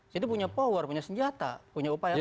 di situ punya power punya senjata punya upaya kuasa